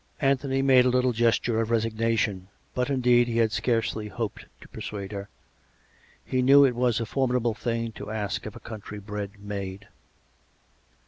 Anthony made a little gesture of resignation. But, in deed, he had scarcely hoped to persuade her. He knew it was a formidable thing to ask of a countrybred maid.